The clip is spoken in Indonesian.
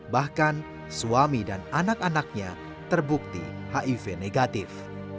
bahkan suami dan anak anaknya terbukti hiv negatif